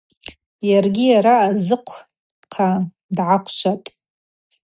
Йаргьи араъа зыквхъа дгӏаквшватӏ.